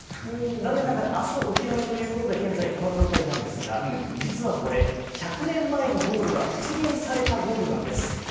残念ながら、あすお披露目ということで、現在、この状態なんですが、実はこれ、１００年前のゴールが復元されたゴールなんです。